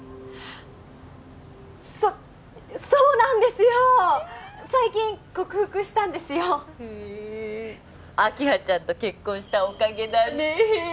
そそうなんですよ最近克服したんですよへえ明葉ちゃんと結婚したおかげだねえ